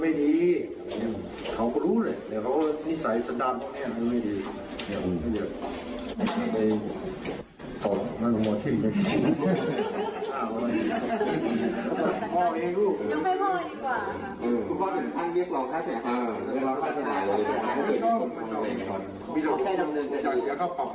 เป็นการรอข้าแสหร่าเลย